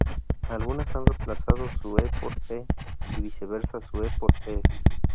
Algunas han remplazado su ‘ё’ por ‘е’, y viceversa, su ‘е’ por ‘ё’.